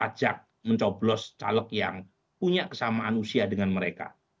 diajak mencoblos caleg yang punya kesamaan usia dengan mereka